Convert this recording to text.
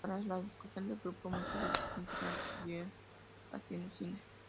Tras la disolución del grupo muchos de sus integrantes siguieron haciendo cine.